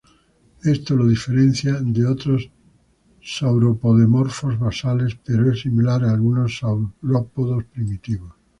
Esto lo diferencia de otros sauropodomorfos basales pero es similar a alguno saurópodos primitivos.